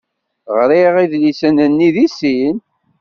Ɣriɣ idlisen-nni deg sin.